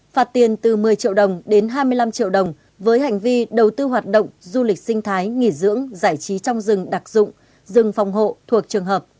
phạt tiền từ một mươi triệu đồng đến hai mươi năm triệu đồng với hành vi đầu tư hoạt động du lịch sinh thái nghỉ dưỡng giải trí trong rừng đặc dụng rừng phòng hộ thuộc trường hợp